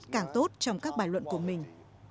càng sắc nét càng tốt trong các bài luận của mình